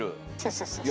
そうそう。